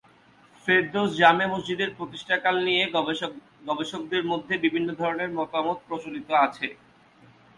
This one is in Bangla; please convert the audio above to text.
ফেরদৌস জামে মসজিদের প্রতিষ্ঠাকাল নিয়ে গবেষকদের মধ্যে বিভিন্ন ধরনের মতামত প্রচলিত আছে।